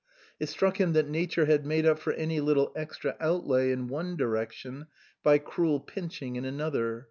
It struck him that Nature had made up for any little extra outlay in one direction by cruel pinching in another.